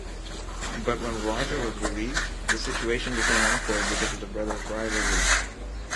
But when Roger was released, the situation became awkward because of the brothers' rivalry.